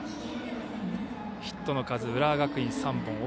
ヒットの数、浦和学院３本。